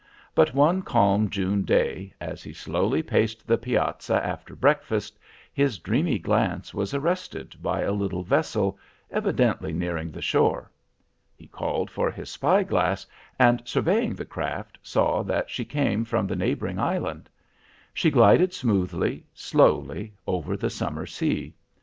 But one calm June day, as he slowly paced the piazza after breakfast, his dreamy glance was arrested by a little vessel, evidently nearing the shore. He called for his spyglass, and surveying the craft, saw that she came from the neighboring island. She glided smoothly, slowly, over the summer sea.